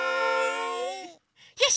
よし！